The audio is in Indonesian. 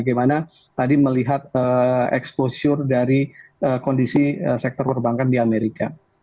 dan bagaimana tadi melihat exposure dari kondisi sektor perbankan di amerika